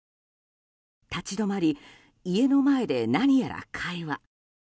立ち止まり家の前で何やら会話。